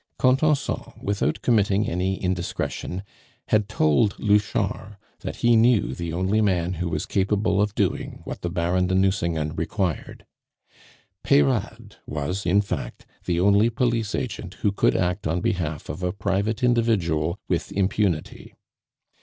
Contenson, without committing any indiscretion, had told Louchard that he knew the only man who was capable of doing what the Baron de Nucingen required. Peyrade was, in fact, the only police agent who could act on behalf of a private individual with impunity.